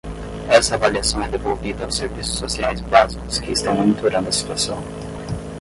Essa avaliação é devolvida aos serviços sociais básicos que estão monitorando a situação.